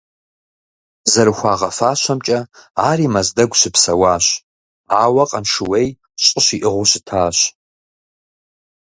ЗэрыхуагъэфащэмкӀэ, ари Мэздэгу щыпсэуащ, ауэ Къаншыуей щӀы щиӀыгъыу щытащ.